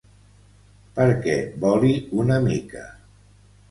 Perquè voli una mica.